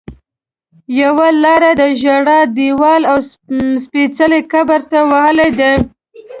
یوه لاره د ژړا دیوال او سپېڅلي قبر ته وتلې ده.